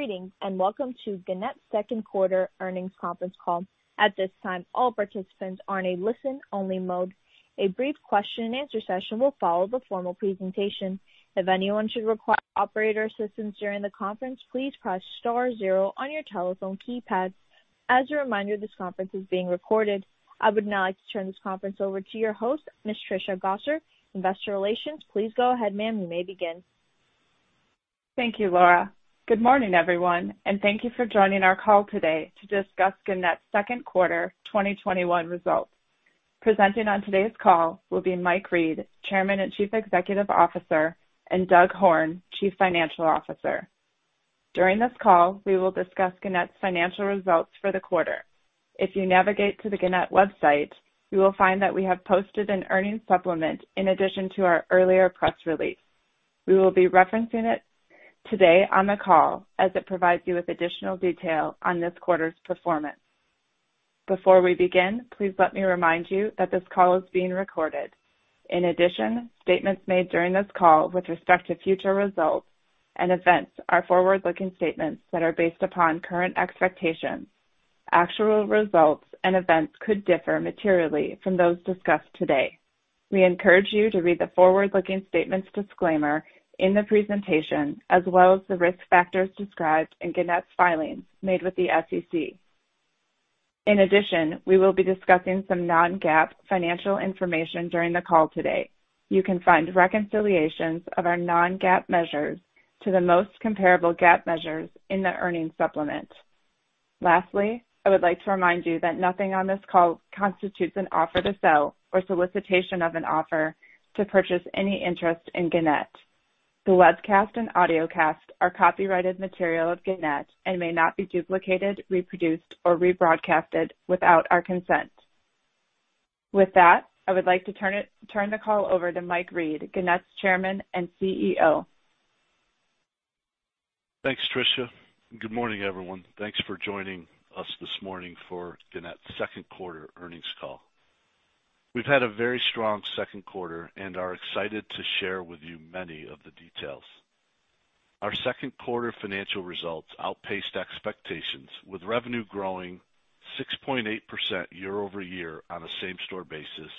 Greetings, welcome to Gannett's second quarter earnings conference call. At this time, all participants are in a listen-only mode. A brief question-and-answer session will follow the formal presentation. If anyone should require operator assistance during the conference, please press star zero on your telephone keypad. As a reminder, this conference is being recorded. I would now like to turn this conference over to your host, Ms. Trisha Gosser, Investor Relations. Please go ahead, ma'am. You may begin. Thank you, Laura. Good morning, everyone, and thank you for joining our call today to discuss Gannett's second quarter 2021 results. Presenting on today's call will be Mike Reed, Chairman and Chief Executive Officer, and Doug Horne, Chief Financial Officer. During this call, we will discuss Gannett's financial results for the quarter. If you navigate to the Gannett website, you will find that we have posted an earnings supplement in addition to our earlier press release. We will be referencing it today on the call as it provides you with additional detail on this quarter's performance. Before we begin, please let me remind you that this call is being recorded. In addition, statements made during this call with respect to future results and events are forward-looking statements that are based upon current expectations. Actual results and events could differ materially from those discussed today. We encourage you to read the forward-looking statements disclaimer in the presentation, as well as the risk factors described in Gannett's filings made with the SEC. In addition, we will be discussing some non-GAAP financial information during the call today. You can find reconciliations of our non-GAAP measures to the most comparable GAAP measures in the earnings supplement. Lastly, I would like to remind you that nothing on this call constitutes an offer to sell or solicitation of an offer to purchase any interest in Gannett. The webcast and audiocast are copyrighted material of Gannett and may not be duplicated, reproduced, or rebroadcasted without our consent. With that, I would like to turn the call over to Mike Reed, Gannett's Chairman and CEO. Thanks, Trisha. Good morning, everyone. Thanks for joining us this morning for Gannett's second quarter earnings call. We've had a very strong second quarter and are excited to share with you many of the details. Our second quarter financial results outpaced expectations, with revenue growing 6.8% year-over-year on a same-store basis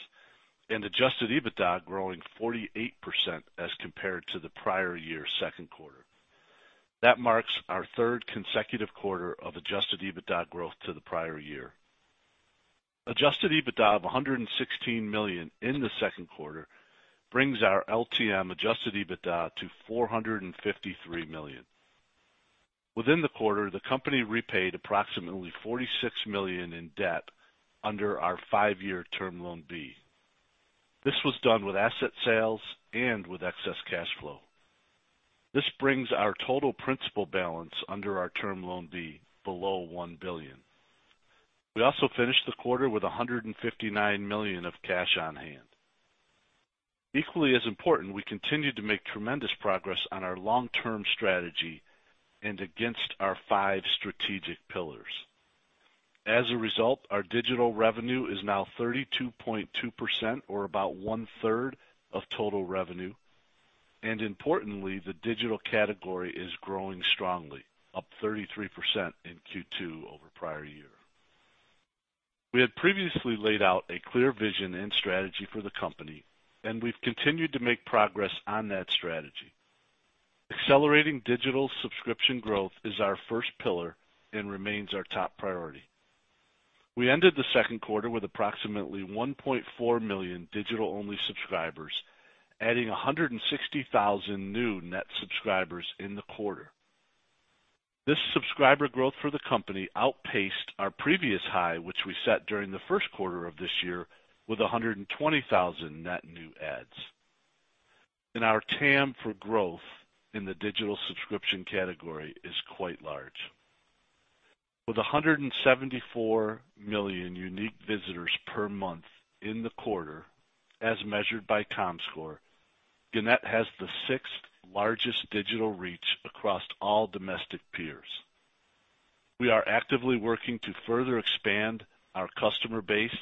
and Adjusted EBITDA growing 48% as compared to the prior year's second quarter. That marks our third consecutive quarter of Adjusted EBITDA growth to the prior year. Adjusted EBITDA of $116 million in the second quarter brings our LTM Adjusted EBITDA to $453 million. Within the quarter, the company repaid approximately $46 million in debt under our five-year Term Loan B. This was done with asset sales and with excess cash flow. This brings our total principal balance under our Term Loan B below $1 billion. We also finished the quarter with $159 million of cash on hand. Equally as important, we continued to make tremendous progress on our long-term strategy and against our five strategic pillars. As a result, our digital revenue is now 32.2%, or about 1/3 of total revenue. Importantly, the digital category is growing strongly, up 33% in Q2 over prior year. We had previously laid out a clear vision and strategy for the company. We've continued to make progress on that strategy. Accelerating digital subscription growth is our first pillar and remains our top priority. We ended the second quarter with approximately 1.4 million digital-only subscribers, adding 160,000 new net subscribers in the quarter. This subscriber growth for the company outpaced our previous high, which we set during the first quarter of this year with 120,000 net new adds. Our TAM for growth in the digital subscription category is quite large. With 174 million unique visitors per month in the quarter, as measured by Comscore, Gannett has the sixth largest digital reach across all domestic peers. We are actively working to further expand our customer base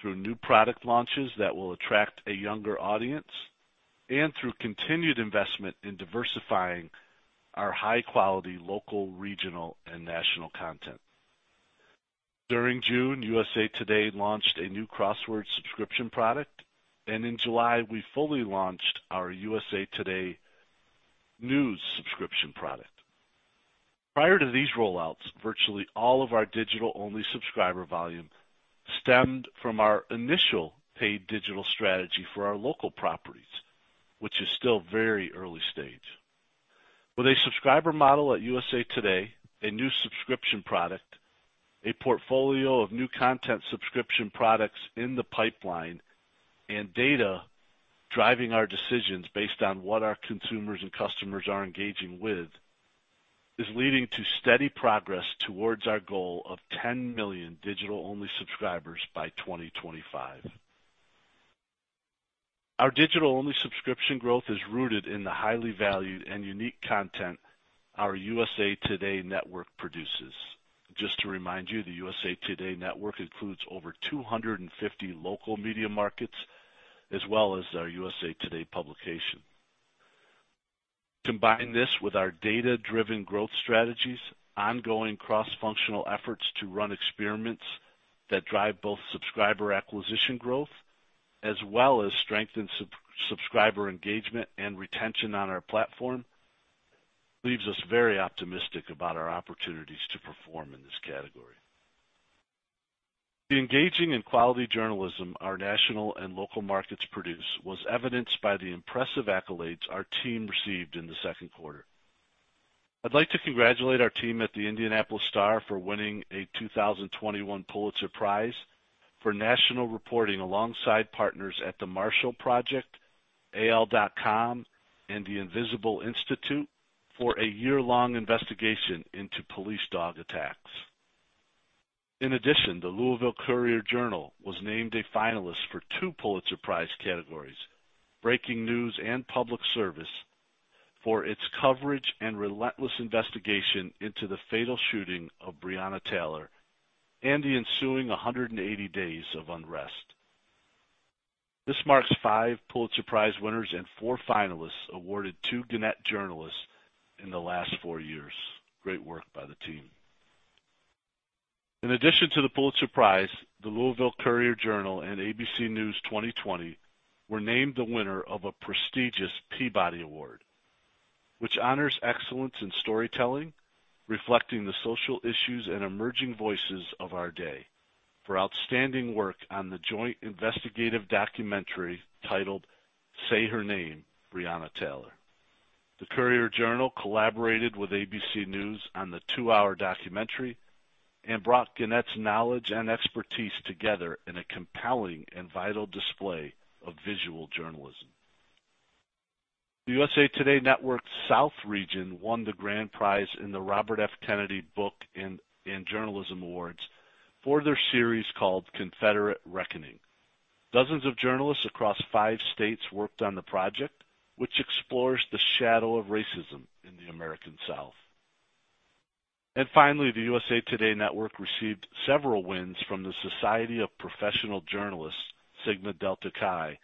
through new product launches that will attract a younger audience and through continued investment in diversifying our high-quality local, regional, and national content. During June, USA TODAY launched a new crossword subscription product, and in July, we fully launched our USA TODAY News subscription product. Prior to these rollouts, virtually all of our digital-only subscriber volume stemmed from our initial paid digital strategy for our local properties, which is still very early stage. With a subscriber model at USA TODAY, a new subscription product, a portfolio of new content subscription products in the pipeline, and data driving our decisions based on what our consumers and customers are engaging with, is leading to steady progress towards our goal of 10 million digital-only subscribers by 2025. Our digital-only subscription growth is rooted in the highly valued and unique content our USA TODAY Network produces. Just to remind you, the USA TODAY Network includes over 250 local media markets, as well as our USA TODAY publication. Combine this with our data-driven growth strategies, ongoing cross-functional efforts to run experiments that drive both subscriber acquisition growth, as well as strengthen subscriber engagement and retention on our platform, leaves us very optimistic about our opportunities to perform in this category. The engaging and quality journalism our national and local markets produce was evidenced by the impressive accolades our team received in the second quarter. I'd like to congratulate our team at The Indianapolis Star for winning a 2021 Pulitzer Prize for national reporting alongside partners at The Marshall Project, AL.com, and the Invisible Institute for a year-long investigation into police dog attacks. In addition, The Louisville Courier Journal was named a finalist for two Pulitzer Prize categories, Breaking News and Public Service, for its coverage and relentless investigation into the fatal shooting of Breonna Taylor and the ensuing 180 days of unrest. This marks five Pulitzer Prize winners and four finalists awarded to Gannett journalists in the last four years. Great work by the team. In addition to the Pulitzer Prize, The Louisville Courier Journal and ABC News 20/20 were named the winner of a prestigious Peabody Award, which honors excellence in storytelling, reflecting the social issues and emerging voices of our day, for outstanding work on the joint investigative documentary titled Say Her Name: Breonna Taylor. The Courier Journal collaborated with ABC News on the two-hour documentary and brought Gannett's knowledge and expertise together in a compelling and vital display of visual journalism. The USA TODAY Network South Region won the grand prize in the Robert F. Kennedy Book and Journalism Awards for their series called Confederate Reckoning. Dozens of journalists across five states worked on the project, which explores the shadow of racism in the American South. Finally, the USA TODAY Network received several wins from the Society of Professional Journalists, Sigma Delta Chi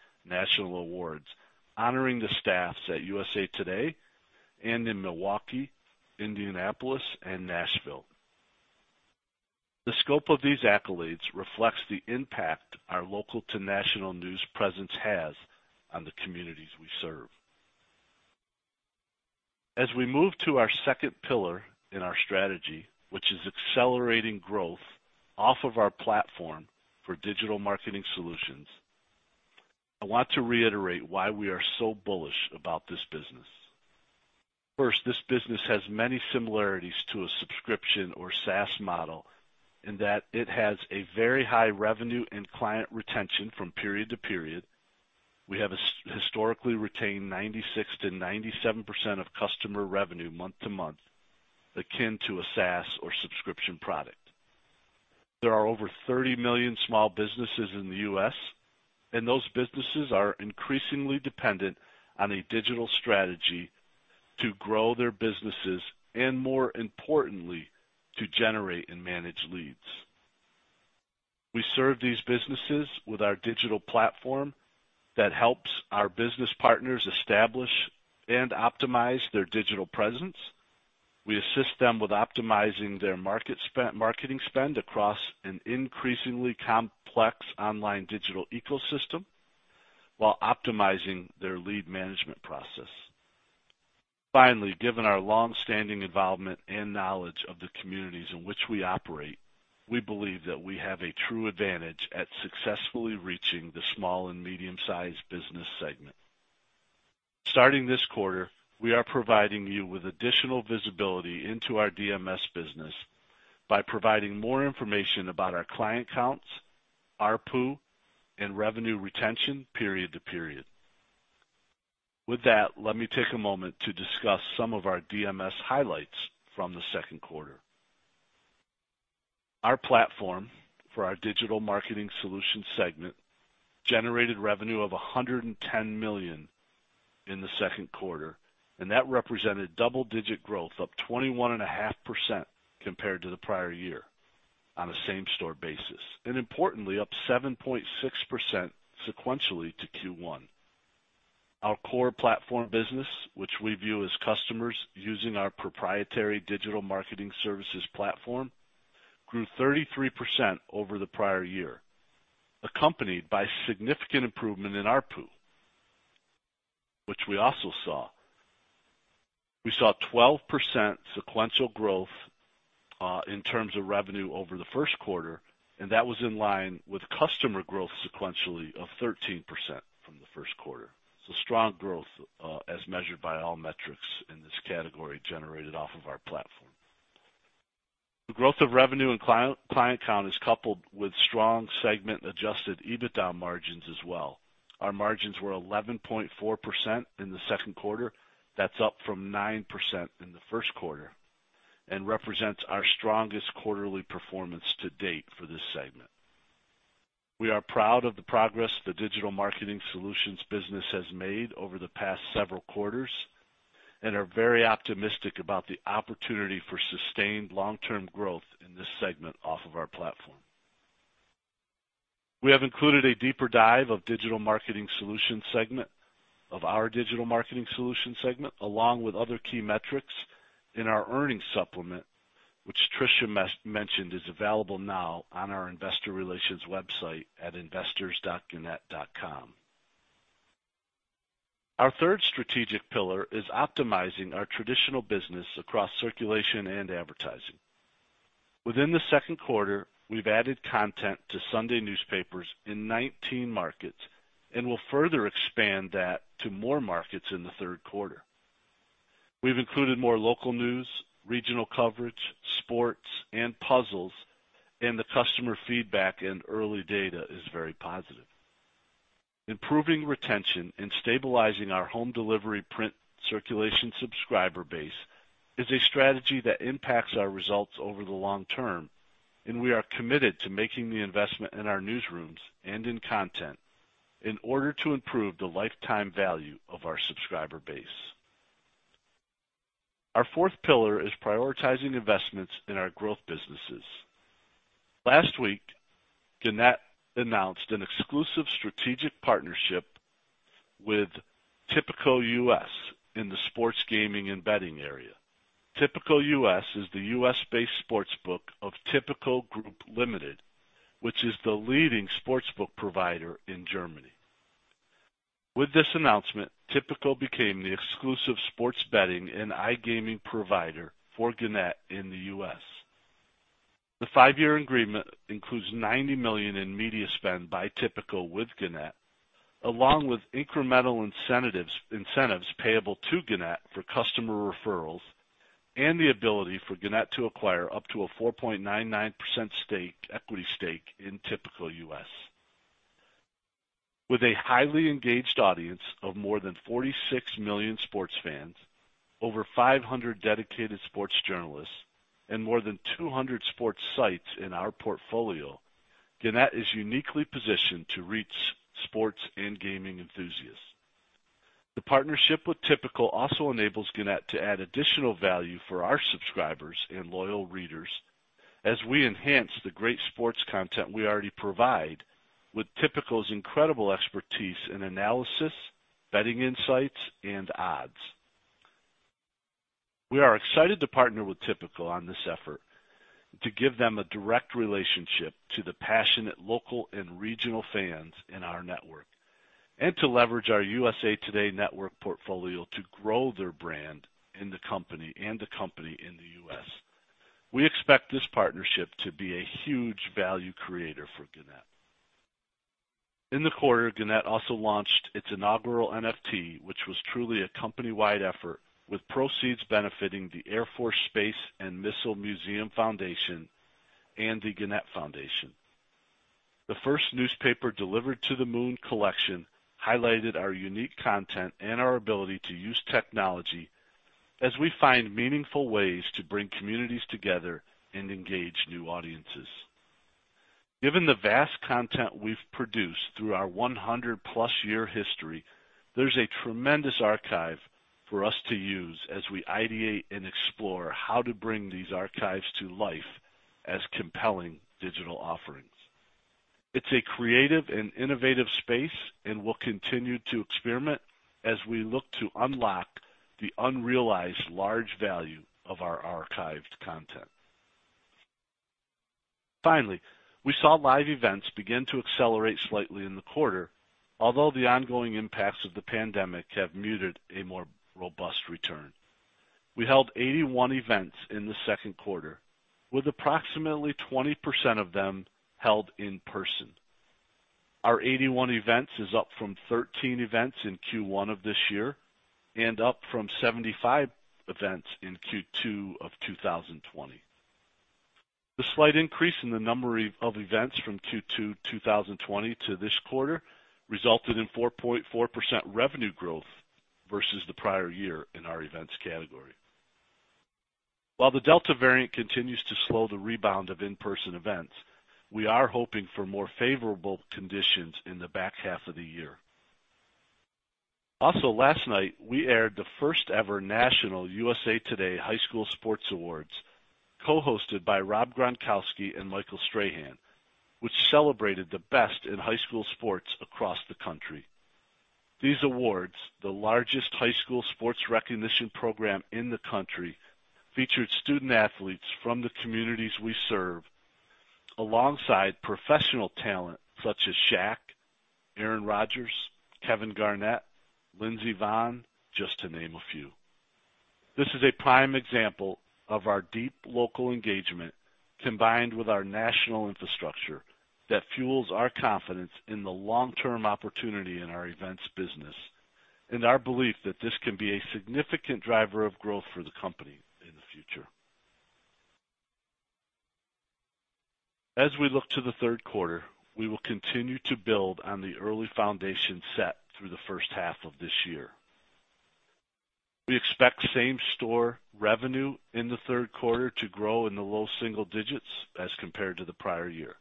Awards, honoring the staffs at USA TODAY and in Milwaukee, Indianapolis and Nashville. The scope of these accolades reflects the impact our local to national news presence has on the communities we serve. As we move to our second pillar in our strategy, which is accelerating growth off of our platform for Digital Marketing Solutions, I want to reiterate why we are so bullish about this business. First, this business has many similarities to a subscription or SaaS model in that it has a very high revenue and client retention from period to period. We have historically retained 96% to 97% of customer revenue month to month, akin to a SaaS or subscription product. There are over 30 million small businesses in the U.S., and those businesses are increasingly dependent on a digital strategy to grow their businesses and, more importantly, to generate and manage leads. We serve these businesses with our digital platform that helps our business partners establish and optimize their digital presence. We assist them with optimizing their marketing spend across an increasingly complex online digital ecosystem while optimizing their lead management process. Finally, given our long-standing involvement and knowledge of the communities in which we operate, we believe that we have a true advantage at successfully reaching the small and medium-sized business segment. Starting this quarter, we are providing you with additional visibility into our DMS business by providing more information about our client counts, ARPU, and revenue retention period to period. With that, let me take a moment to discuss some of our DMS highlights from the second quarter. Our platform for our Digital Marketing Solutions segment generated revenue of $110 million in the second quarter. That represented double-digit growth up 21.5% compared to the prior year on a same-store basis, and importantly, up 7.6% sequentially to Q1. Our core platform business, which we view as customers using our proprietary digital marketing services platform, grew 33% over the prior year, accompanied by significant improvement in ARPU, which we also saw. We saw 12% sequential growth in terms of revenue over the first quarter. That was in line with customer growth sequentially of 13% from the first quarter. Strong growth as measured by all metrics in this category generated off of our platform. The growth of revenue and client count is coupled with strong segment adjusted EBITDA margins as well. Our margins were 11.4% in the second quarter. That's up from 9% in the first quarter and represents our strongest quarterly performance to date for this segment. We are proud of the progress the Digital Marketing Solutions business has made over the past several quarters, and are very optimistic about the opportunity for sustained long-term growth in this segment off of our platform. We have included a deeper dive of our Digital Marketing Solutions segment, along with other key metrics in our earnings supplement, which Trisha mentioned is available now on our investor relations website at investors.gannett.com. Our third strategic pillar is optimizing our traditional business across circulation and advertising. Within the second quarter, we've added content to Sunday newspapers in 19 markets and will further expand that to more markets in the third quarter. We've included more local news, regional coverage, sports and puzzles, and the customer feedback and early data is very positive. Improving retention and stabilizing our home delivery print circulation subscriber base is a strategy that impacts our results over the long term, and we are committed to making the investment in our newsrooms and in content in order to improve the lifetime value of our subscriber base. Our fourth pillar is prioritizing investments in our growth businesses. Last week, Gannett announced an exclusive strategic partnership with Tipico U.S. in the sports gaming and betting area. Tipico U.S. is the U.S.-based sportsbook of Tipico Group Limited, which is the leading sportsbook provider in Germany. With this announcement, Tipico became the exclusive sports betting and iGaming provider for Gannett in the U.S. The five-year agreement includes $90 million in media spend by Tipico with Gannett, along with incremental incentives payable to Gannett for customer referrals, and the ability for Gannett to acquire up to a 4.99% equity stake in Tipico US. With a highly engaged audience of more than 46 million sports fans, over 500 dedicated sports journalists, and more than 200 sports sites in our portfolio, Gannett is uniquely positioned to reach sports and gaming enthusiasts. The partnership with Tipico also enables Gannett to add additional value for our subscribers and loyal readers as we enhance the great sports content we already provide with Tipico's incredible expertise in analysis, betting insights, and odds. We are excited to partner with Tipico on this effort to give them a direct relationship to the passionate local and regional fans in our network, and to leverage our USA TODAY Network portfolio to grow their brand and the company in the U.S. We expect this partnership to be a huge value creator for Gannett. In the quarter, Gannett also launched its inaugural NFT, which was truly a company-wide effort with proceeds benefiting the Air Force Space and Missile Museum Foundation and the Gannett Foundation. The First Newspaper Delivered to the Moon collection highlighted our unique content and our ability to use technology as we find meaningful ways to bring communities together and engage new audiences. Given the vast content we've produced through our 100+ year history, there's a tremendous archive for us to use as we ideate and explore how to bring these archives to life as compelling digital offerings. It's a creative and innovative space and we'll continue to experiment as we look to unlock the unrealized large value of our archived content. Finally, we saw live events begin to accelerate slightly in the quarter, although the ongoing impacts of the pandemic have muted a more robust return. We held 81 events in the second quarter with approximately 20% of them held in person. Our 81 events is up from 13 events in Q1 of this year and up from 75 events in Q2 of 2020. The slight increase in the number of events from Q2 2020 to this quarter resulted in 4.4% revenue growth versus the prior year in our events category. While the Delta variant continues to slow the rebound of in-person events, we are hoping for more favorable conditions in the back half of the year. Also last night, we aired the first ever national USA TODAY High School Sports Awards, co-hosted by Rob Gronkowski and Michael Strahan, which celebrated the best in high school sports across the country. These awards, the largest high school sports recognition program in the country, featured student athletes from the communities we serve alongside professional talent such as Shaq, Aaron Rodgers, Kevin Garnett, Lindsey Vonn, just to name a few. This is a prime example of our deep local engagement combined with our national infrastructure that fuels our confidence in the long-term opportunity in our events business, and our belief that this can be a significant driver of growth for the company in the future. As we look to the third quarter, we will continue to build on the early foundation set through the first half of this year. We expect same-store revenue in the third quarter to grow in the low single digits as compared to the prior year.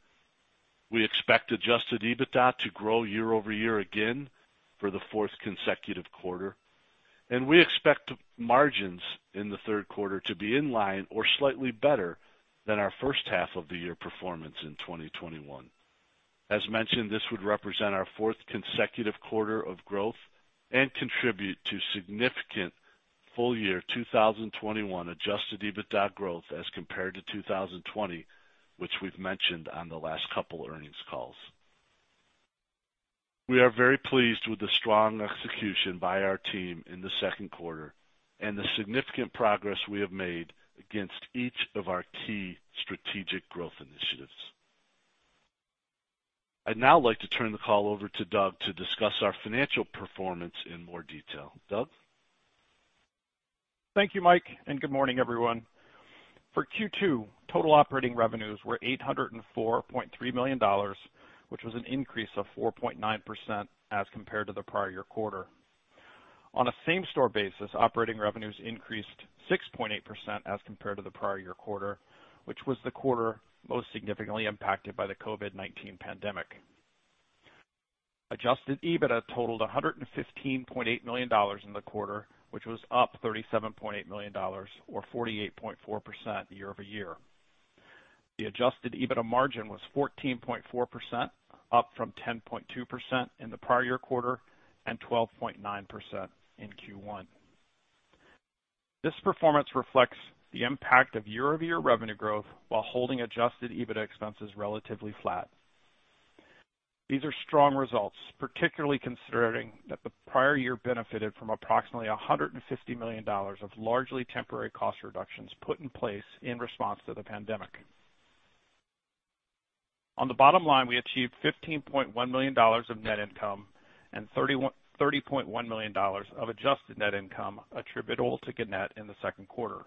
We expect adjusted EBITDA to grow year-over-year again for the fourth consecutive quarter. We expect margins in the third quarter to be in line or slightly better than our first half of the year performance in 2021. As mentioned, this would represent our fourth consecutive quarter of growth and contribute to significant full-year 2021 adjusted EBITDA growth as compared to 2020, which we've mentioned on the last couple earnings calls. We are very pleased with the strong execution by our team in the second quarter and the significant progress we have made against each of our key strategic growth initiatives. I'd now like to turn the call over to Doug to discuss our financial performance in more detail. Doug? Thank you, Mike, and good morning, everyone. For Q2, total operating revenues were $804.3 million, which was an increase of 4.9% as compared to the prior year quarter. On a same-store basis, operating revenues increased 6.8% as compared to the prior year quarter, which was the quarter most significantly impacted by the COVID-19 pandemic. Adjusted EBITDA totaled $115.8 million in the quarter, which was up $37.8 million, or 48.4% year-over-year. The Adjusted EBITDA margin was 14.4%, up from 10.2% in the prior year quarter and 12.9% in Q1. This performance reflects the impact of year-over-year revenue growth while holding Adjusted EBITDA expenses relatively flat. These are strong results, particularly considering that the prior year benefited from approximately $150 million of largely temporary cost reductions put in place in response to the pandemic. On the bottom line, we achieved $15.1 million of net income and $30.1 million of adjusted net income attributable to Gannett in the second quarter.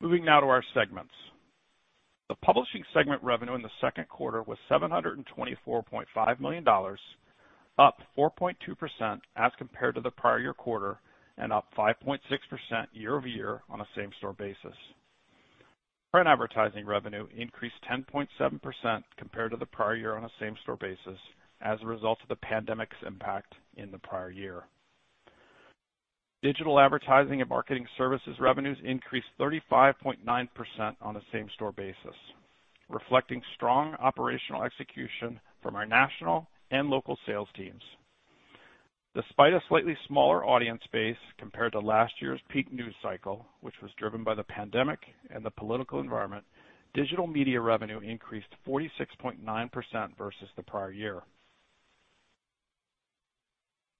Moving now to our segments. The publishing segment revenue in the second quarter was $724.5 million, up 4.2% as compared to the prior year quarter and up 5.6% year-over-year on a same-store basis. Print advertising revenue increased 10.7% compared to the prior year on a same-store basis as a result of the pandemic's impact in the prior year. Digital advertising and marketing services revenues increased 35.9% on a same-store basis, reflecting strong operational execution from our national and local sales teams. Despite a slightly smaller audience base compared to last year's peak news cycle, which was driven by the pandemic and the political environment, digital media revenue increased 46.9% versus the prior year.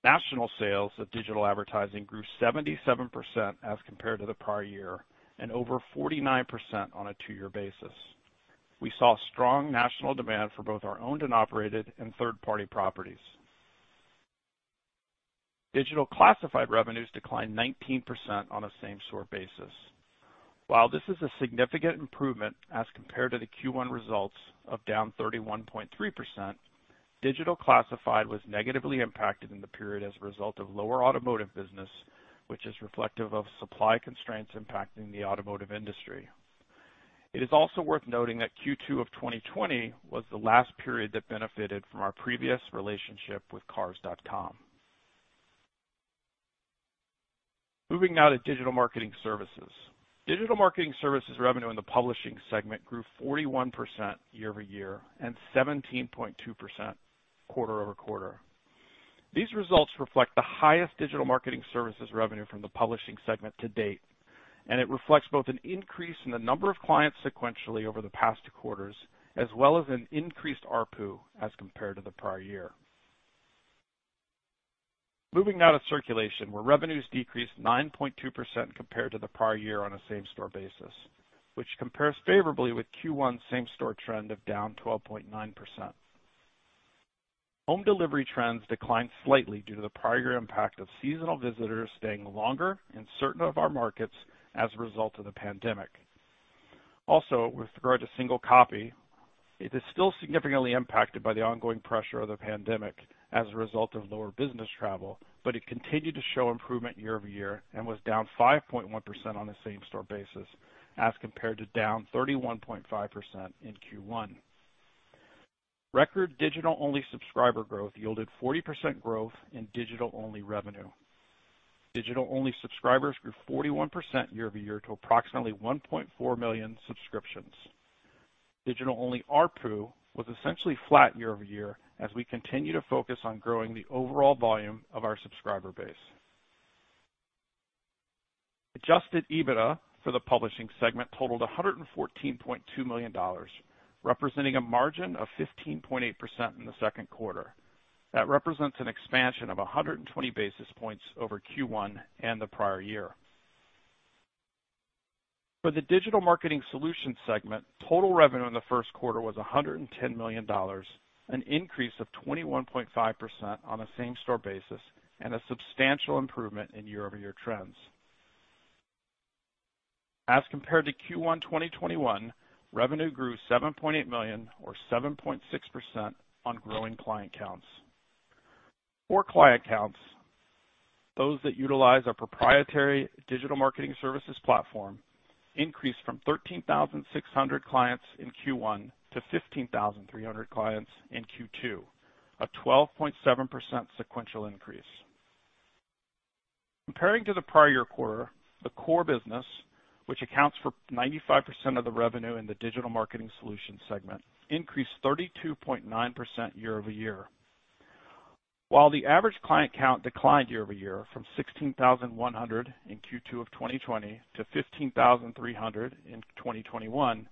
National sales of digital advertising grew 77% as compared to the prior year and over 49% on a two-year basis. We saw strong national demand for both our owned and operated and third-party properties. Digital classified revenues declined 19% on a same-store basis. While this is a significant improvement as compared to the Q1 results of down 31.3%, digital classified was negatively impacted in the period as a result of lower automotive business, which is reflective of supply constraints impacting the automotive industry. It is also worth noting that Q2 of 2020 was the last period that benefited from our previous relationship with Cars.com. Moving now to Digital Marketing Solutions. Digital marketing services revenue in the publishing segment grew 41% year-over-year and 17.2% quarter-over-quarter. These results reflect the highest Digital Marketing Solutions revenue from the publishing segment to date. It reflects both an increase in the number of clients sequentially over the past quarters, as well as an increased ARPU as compared to the prior year. Moving now to circulation, where revenues decreased 9.2% compared to the prior year on a same-store basis, which compares favorably with Q1 same-store trend of down 12.9%. Home delivery trends declined slightly due to the prior year impact of seasonal visitors staying longer in certain of our markets as a result of the pandemic. With regard to single copy, it is still significantly impacted by the ongoing pressure of the pandemic as a result of lower business travel. It continued to show improvement year-over-year and was down 5.1% on a same-store basis as compared to down 31.5% in Q1. Record digital-only subscriber growth yielded 40% growth in digital-only revenue. Digital-only subscribers grew 41% year-over-year to approximately 1.4 million subscriptions. Digital-only ARPU was essentially flat year-over-year as we continue to focus on growing the overall volume of our subscriber base. Adjusted EBITDA for the publishing segment totaled $114.2 million, representing a margin of 15.8% in the second quarter. That represents an expansion of 120 basis points over Q1 and the prior year. For the Digital Marketing Solutions segment, total revenue in the first quarter was $110 million, an increase of 21.5% on a same-store basis and a substantial improvement in year-over-year trends. Compared to Q1 2021, revenue grew $7.8 million or 7.6% on growing client counts. Core client counts, those that utilize our proprietary digital marketing services platform, increased from 13,600 clients in Q1 to 15,300 clients in Q2, a 12.7% sequential increase. Comparing to the prior year quarter, the core business, which accounts for 95% of the revenue in the Digital Marketing Solutions segment, increased 32.9% year-over-year. While the average client count declined year-over-year from 16,100 in Q2 of 2020 to 15,300 in 2021,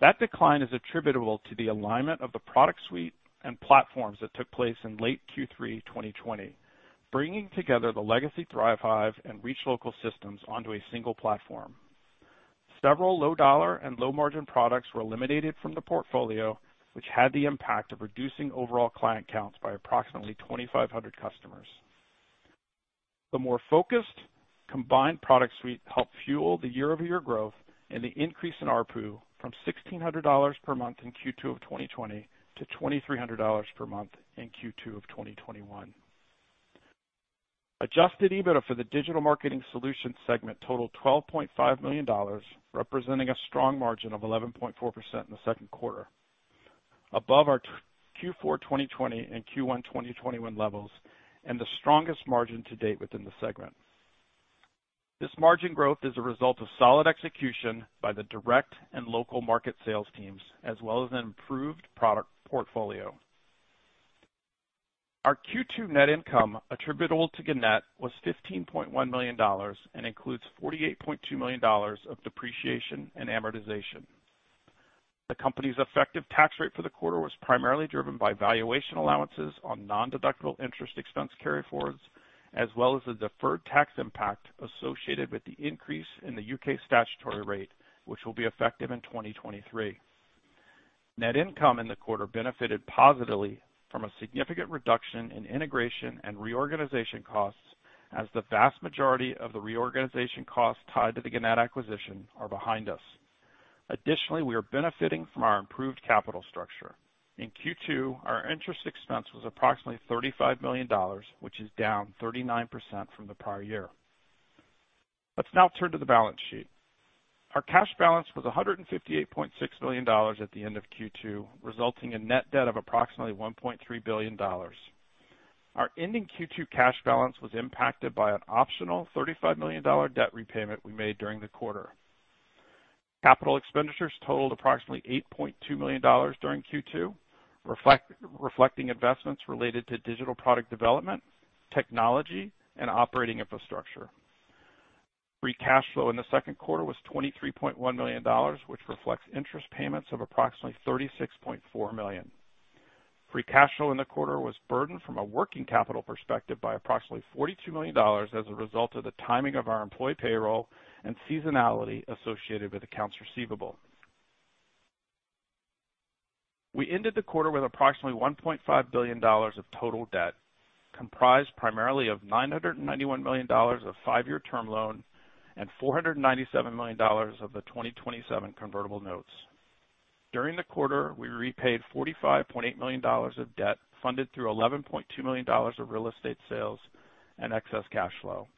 that decline is attributable to the alignment of the product suite and platforms that took place in late Q3 2020, bringing together the legacy ThriveHive and ReachLocal systems onto a single platform. Several low-dollar and low-margin products were eliminated from the portfolio, which had the impact of reducing overall client counts by approximately 2,500 customers. The more focused, combined product suite helped fuel the year-over-year growth and the increase in ARPU from $1,600 per month in Q2 of 2020 to $2,300 per month in Q2 of 2021. Adjusted EBITDA for the Digital Marketing Solutions segment totaled $12.5 million, representing a strong margin of 11.4% in the second quarter, above our Q4 2020 and Q1 2021 levels, and the strongest margin to date within the segment. This margin growth is a result of solid execution by the direct and local market sales teams, as well as an improved product portfolio. Our Q2 net income attributable to Gannett was $15.1 million and includes $48.2 million of depreciation and amortization. The company's effective tax rate for the quarter was primarily driven by valuation allowances on non-deductible interest expense carryforwards, as well as the deferred tax impact associated with the increase in the U.K. statutory rate, which will be effective in 2023. Net income in the quarter benefited positively from a significant reduction in integration and reorganization costs as the vast majority of the reorganization acquisition costs tied to the Gannett acquisition are behind us. Additionally, we are benefiting from our improved capital structure. In Q2, our interest expense was approximately $35 million, which is down 39% from the prior year. Let's now turn to the balance sheet. Our cash balance was $158.6 million at the end of Q2, resulting in net debt of approximately $1.3 billion. Our ending Q2 cash balance was impacted by an optional $35 million debt repayment we made during the quarter. Capital expenditures totaled approximately $8.2 million during Q2, reflecting investments related to digital product development, technology, and operating infrastructure. Free cash flow in the second quarter was $23.1 million, which reflects interest payments of approximately $36.4 million. Free cash flow in the quarter was burdened from a working capital perspective by approximately $42 million as a result of the timing of our employee payroll and seasonality associated with accounts receivable. We ended the quarter with approximately $1.5 billion of total debt, comprised primarily of $991 million of five-year term loan and $497 million of the 2027 Convertible Notes. During the quarter, we repaid $45.8 million of debt funded through $11.2 million of real estate sales and excess cash flow.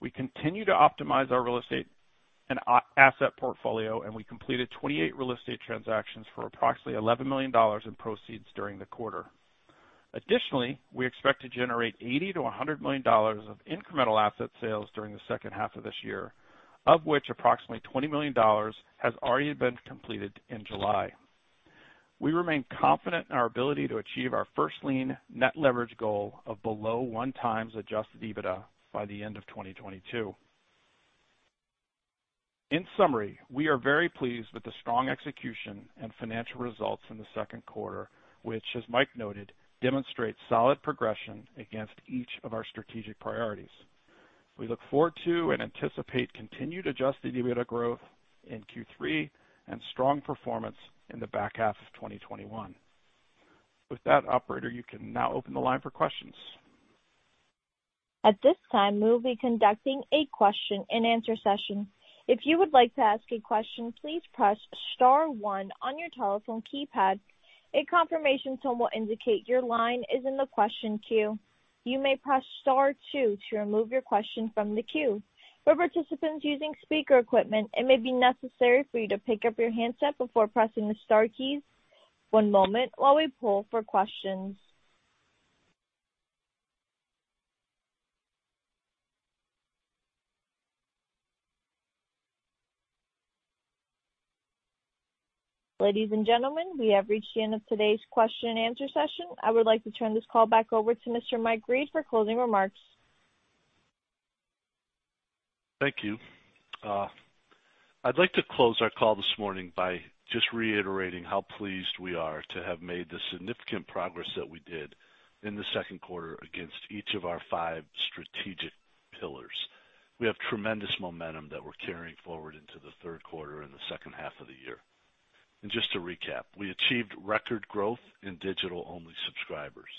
We continue to optimize our real estate and asset portfolio. We completed 28 real estate transactions for approximately $11 million in proceeds during the quarter. Additionally, we expect to generate $80 million-$100 million of incremental asset sales during the second half of this year, of which approximately $20 million has already been completed in July. We remain confident in our ability to achieve our First Lien Net Leverage goal of below one times Adjusted EBITDA by the end of 2022. In summary, we are very pleased with the strong execution and financial results in the second quarter, which, as Mike noted, demonstrates solid progression against each of our strategic priorities. We look forward to and anticipate continued Adjusted EBITDA growth in Q3 and strong performance in the back half of 2021. With that, operator, you can now open the line for questions. At this time, we'll be conducting a question-and-answer session. If you would like to ask a question, please press star one on your telephone keypad. A confirmation tone will indicate your line is in the question queue. You may press star two to remove your question from the queue. For participants using speaker equipment, it may be necessary for you to pick up your handset before pressing the star keys. One moment while we pull for questions. Ladies and gentlemen, we have reached the end of today's question-and-answer session. I would like to turn this call back over to Mr. Mike Reed for closing remarks. Thank you. I'd like to close our call this morning by just reiterating how pleased we are to have made the significant progress that we did in the second quarter against each of our five strategic pillars. We have tremendous momentum that we're carrying forward into the third quarter and the second half of the year. Just to recap, we achieved record growth in digital-only subscribers.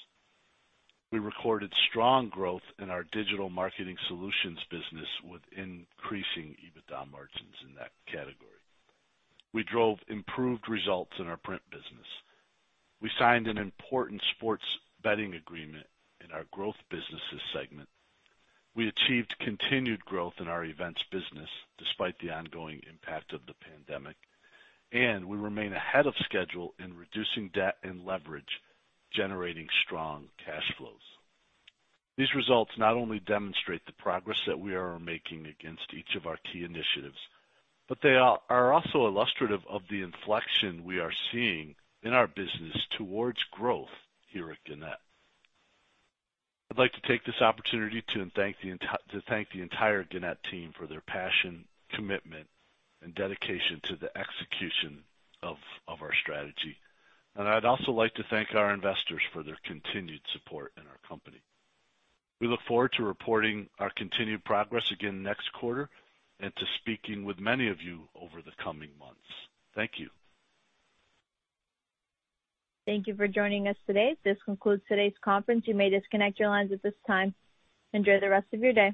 We recorded strong growth in our Digital Marketing Solutions business with increasing EBITDA margins in that category. We drove improved results in our print business. We signed an important sports betting agreement in our growth businesses segment. We achieved continued growth in our events business despite the ongoing impact of the pandemic. We remain ahead of schedule in reducing debt and leverage, generating strong cash flows. These results not only demonstrate the progress that we are making against each of our key initiatives, but they are also illustrative of the inflection we are seeing in our business towards growth here at Gannett. I'd like to take this opportunity to thank the entire Gannett team for their passion, commitment, and dedication to the execution of our strategy. I'd also like to thank our investors for their continued support in our company. We look forward to reporting our continued progress again next quarter and to speaking with many of you over the coming months. Thank you. Thank you for joining us today. This concludes today's conference. You may disconnect your lines at this time. Enjoy the rest of your day.